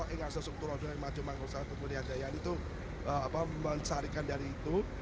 ingat sesungguhnya maju manggung satu kemudian daya itu mencarikan dari itu